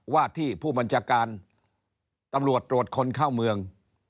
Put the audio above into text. ว่าที่ผู้บัญชาการตำรวจตรวจคนเข้าเมือง